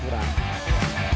kira kira dia berguna